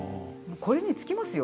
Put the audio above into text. これに尽きますよ。